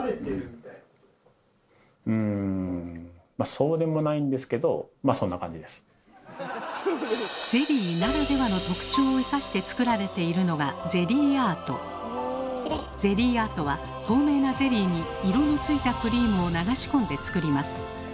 そうでもないんですけどゼリーならではの特徴を生かして作られているのがゼリーアートは透明なゼリーに色のついたクリームを流し込んで作ります。